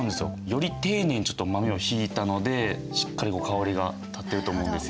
より丁寧に豆をひいたのでしっかり香りが立ってると思うんですよ。